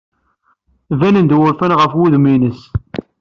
Banen-d wurfan ɣef wudem-nnes.